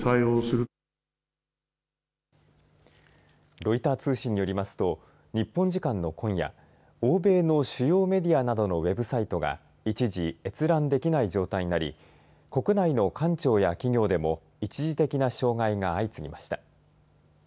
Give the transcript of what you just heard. ロイター通信によりますと日本時間の今夜欧米の主要メディアなどのウェブサイトが一時、閲覧できない状態になり国内の官庁や企業でも一時的な障害が相次ぎました。